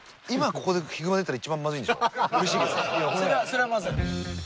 それはまずい。